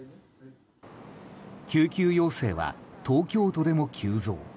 救急要請は東京都でも急増。